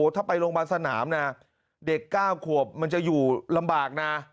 ถ้าไปโรงพยาบาลสนามนะเด็ก๙ขวบมันจะอยู่ลำบากนะ